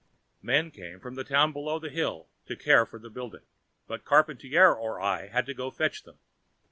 Men came from the town below the hill to care for the building, but Charpantier or I had to go fetch them.